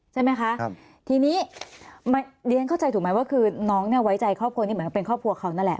ใช่ไหมคะทีนี้เรียนเข้าใจถูกไหมว่าคือน้องเนี่ยไว้ใจครอบครัวนี้เหมือนกับเป็นครอบครัวเขานั่นแหละ